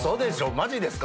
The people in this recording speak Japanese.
マジですよ。